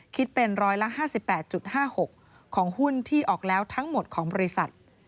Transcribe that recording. คิดเป็นร้อยละ๕๘๕๖ของหุ้นที่ออกแล้วทั้งหมดของบริษัท